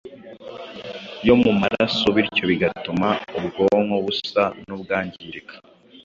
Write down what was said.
yo mu maraso bityo bigatuma ubwonko busa n’ubwangirika